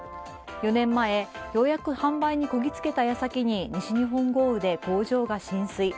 ４年前、ようやく販売にこぎつけた矢先に西日本豪雨で工場が浸水。